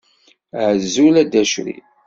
Azul a Dda crif.